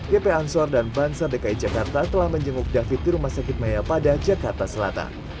yp ansor dan bansar dki jakarta telah menjenguk david di rumah sakit maya pada jakarta selatan